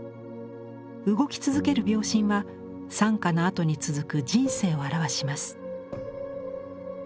動き続ける秒針は惨禍のあとに続く人生を表します。